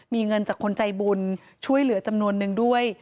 มีเงินจากคนใจบุญช่วยเหลือจำนวนนึงด้วย